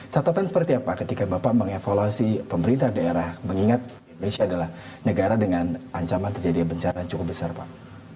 catatan seperti apa ketika bapak mengevaluasi pemerintah daerah mengingat indonesia adalah negara dengan ancaman terjadi bencana cukup besar pak